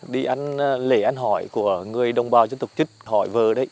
đi ăn lễ ăn hỏi của người đồng bào dân tộc chứt hội vơ đấy